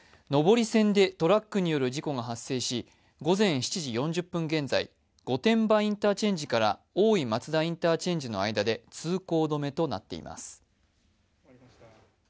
上り線でトラックによる事故が発生し午前７時４０分現在、御殿場インターチェンジから大井松田インターチェンジの間で通行止めとなっています。